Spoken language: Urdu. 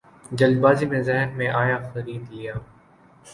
جلد بازی میں ذہن میں آیا خرید لیا